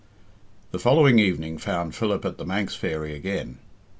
The following evening found Philip at "The Manx Fairy" again.